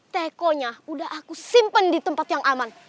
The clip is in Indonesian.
tekonya udah aku simpen di tempat yang aman